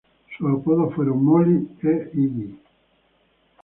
Sus apodos fueron "Molly" e "Iggy".